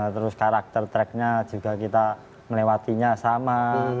terus karakter tracknya juga kita melewatinya sama